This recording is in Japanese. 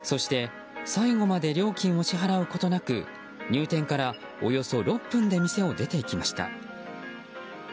そして、最後まで料金を支払うことなく入店からおよそ６分で店を出て行きました。